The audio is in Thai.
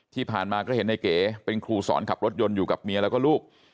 ที่ผ่านมาก็เห็นในเก๋เป็นครูสอนขับรถยนต์อยู่กับเมียแล้วก็ลูก